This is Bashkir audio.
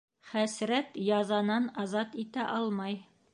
— Хәсрәт язанан азат итә алмай.